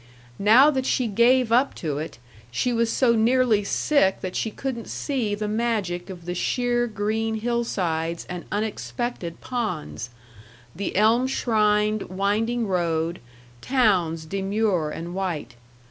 Now that she gave up to it, she was so nearly sick that she couldn't see the magic of the sheer green hillsides and unexpected ponds, the elm shrined winding road, towns demure and white.